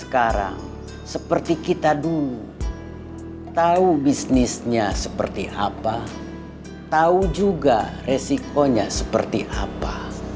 sekarang seperti kita dulu tahu bisnisnya seperti apa tahu juga resikonya seperti apa